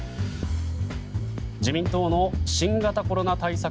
自民党の新型コロナ対策